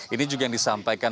ini juga yang disampaikan